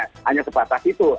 hanya sebatas itu